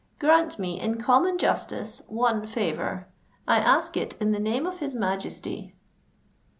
Grant me, in common justice, one favour: I ask it in the name of his Majesty."